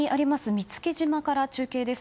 見附島から中継です。